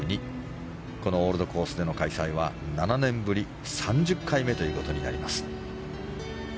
このオールドコースでの開催は７年ぶり３０回目ということになります。